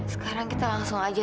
sekarang kita langsung aja